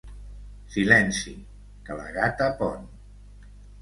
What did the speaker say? Silenci, que la gata pon.